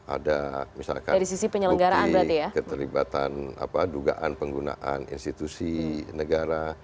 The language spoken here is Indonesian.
ada misalkan bukti keterlibatan dugaan penggunaan institusi negara